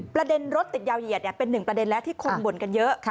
ประเด็นรถติดยาวเหยียดเป็นหนึ่งประเด็นแล้วที่คนบ่นกันเยอะ